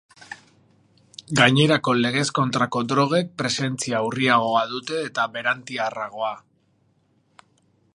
Gainerako legez kontrako drogek presentzia urriagoa dute eta berantiarragoa.